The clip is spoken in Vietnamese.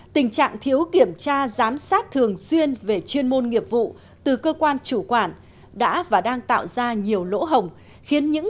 tình trạng thiếu kiểm tra giám sát thường xuyên về chuyên môn nghiệp vụ từ cơ quan chủ quản đã và đang tạo ra nhiều lỗ hồng